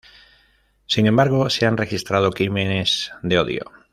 Sin embargo, se han registrado crímenes de odio.